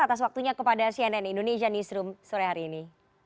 atas waktunya kepada cnn indonesia newsroom sore hari ini